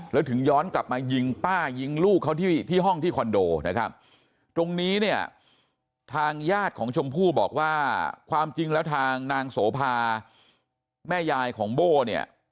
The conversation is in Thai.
แล้วถึงย้อนกลับมายิงป้ายิงลูกเขาที่ห้องที่คอนโดนะครับตรงนี้เนี่ยทางญาติของชมพู่บอกว่าความจริงแล้วทางนางโสภาแม่ยายของโบ้เนี่ย